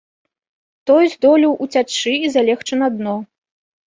Той здолеў уцячы і залегчы на дно.